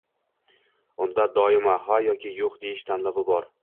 unda doimo “ha” yoki “yo‘q” deyish tanlovi bor.